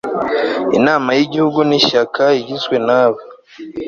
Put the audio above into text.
Inama y Igihugu y Ishyaka igizwe n aba